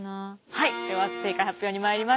はいでは正解発表にまいります。